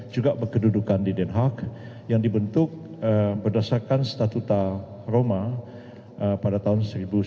juga berkedudukan di den haag yang dibentuk berdasarkan statuta roma pada tahun seribu sembilan ratus sembilan puluh